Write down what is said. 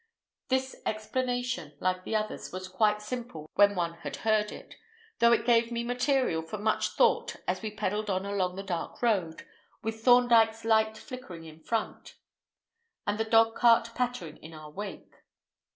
This explanation, like the others, was quite simple when one had heard it, though it gave me material for much thought as we pedalled on along the dark road, with Thorndyke's light flickering in front, and the dogcart pattering in our wake.